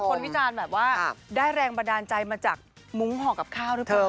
วิจารณ์แบบว่าได้แรงบันดาลใจมาจากมุ้งห่อกับข้าวหรือเปล่า